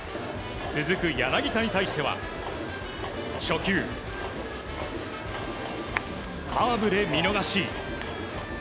続く柳田に対しては、初球カーブで見逃し。